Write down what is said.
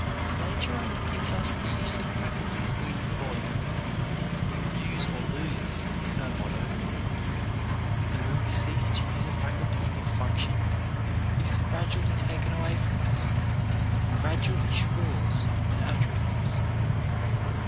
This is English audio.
Nature only gives us the use of faculties we employ. "Use or lose" is her motto, and when we cease to use a faculty or function it is gradually taken away from us, gradually shrivels and atrophies.